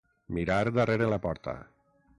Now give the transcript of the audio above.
Mirar darrere la porta.